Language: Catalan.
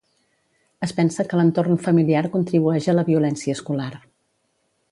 Es pensa que l'entorn familiar contribueix a la violència escolar.